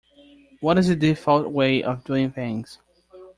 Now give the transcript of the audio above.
What is the default way of doing things?